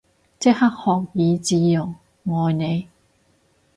即刻學以致用，愛你